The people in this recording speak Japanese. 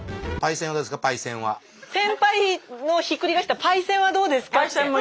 「センパイ」のひっくり返した「パイセン」はどうですかって？